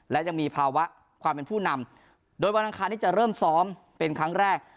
และยังมีภาวะความเป็นผู้นำโดยวันอังคารนี้จะเริ่มซ้อมเป็นครั้งแรก